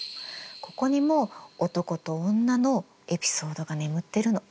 ここにも男と女のエピソードが眠ってるの。